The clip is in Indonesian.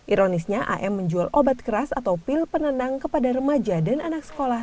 ironisnya am menjual obat keras atau pil penenang kepada remaja dan anak sekolah